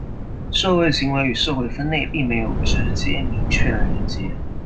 社会行为与社会分类并没有直接明确的连结。